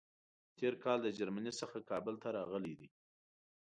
تېر کال له جرمني څخه کابل ته راغلی دی.